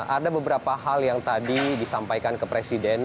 ada beberapa hal yang tadi disampaikan ke presiden